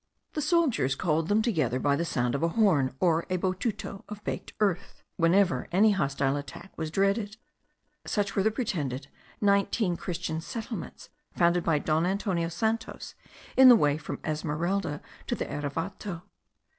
The soldiers called them together by the sound of the horn, or a botuto of baked earth, whenever any hostile attack was dreaded. Such were the pretended nineteen Christian settlements founded by Don Antonio Santos in the way from Esmeralda to the Erevato.